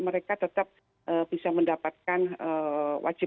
mereka tetap bisa mendapatkan wajib